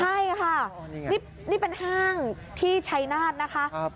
ใช่ค่ะนี่เป็นห้างที่ชัยนาธนะคะ